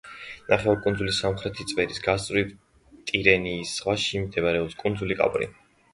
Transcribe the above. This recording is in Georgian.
ნახევარკუნძულის სამხრეთი წვერის გასწვრივ, ტირენიის ზღვაში მდებარეობს კუნძული კაპრი.